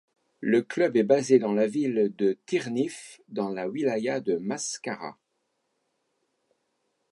Le club est basé dans la ville de Tighennif, dans la wilaya de Mascara.